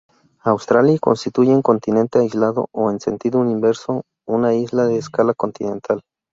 Australia constituye un continente aislado o, en sentido inverso, una isla de escala continental.